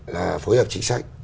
là phối hợp trí sách